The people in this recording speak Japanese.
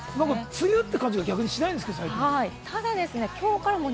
梅雨という感じが逆に最近しないんですよ。